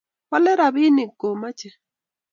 Po let rabinik komache